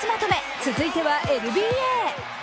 続いてはＮＢＡ。